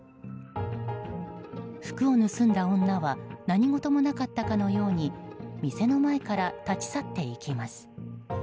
服を盗んだ女は何事もなかったかのように店の前から立ち去っていきます。